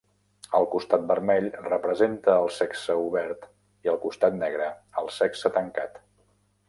El costat vermell representa el sexe obert i el costat negre, el sexe tancat.